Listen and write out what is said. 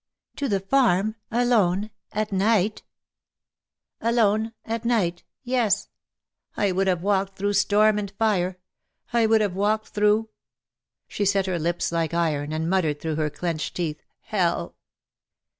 " To the farm — alone — at night ?"^' Alone — at night — yes ! I would have walked through storm and fire — I would have walked through '' she set her lips like iron, and muttered through her clenched teeth, '' HeJl.''